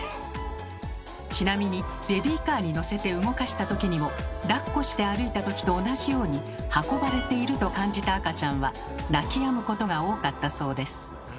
ちなみにベビーカーに乗せて動かした時にもだっこして歩いた時と同じように運ばれていると感じた赤ちゃんは泣きやむことが多かったそうです。